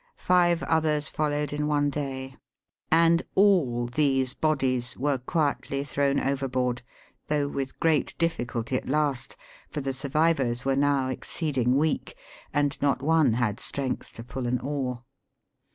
Five others followed in one day. And all these bodies were quietly thrown overboard — though with great diffi culty at last, for the survivors were now exceeding weak, and not one had strength to pull an oar.